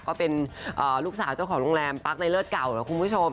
ก็เป็นลูกสาวเจ้าของโรงแรมปั๊กในเลิศเก่านะคุณผู้ชม